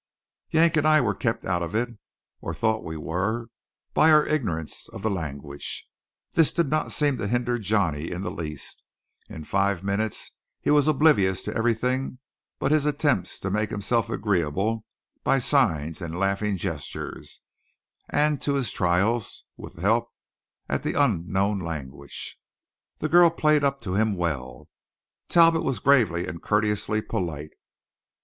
Yank and I were kept out of it, or thought we were, by our ignorance of the language. This did not seem to hinder Johnny in the least. In five minutes he was oblivious to everything but his attempts to make himself agreeable by signs and laughing gestures, and to his trials with help at the unknown language. The girl played up to him well. Talbot was gravely and courteously polite.